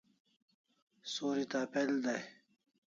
Suri tap'el dai